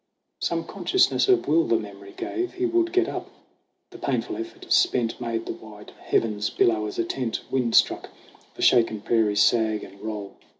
Some consciousness of will the memory gave : He would get up. The painful effort spent Made the wide heavens billow as a tent Wind struck, the shaken prairie sag and roll.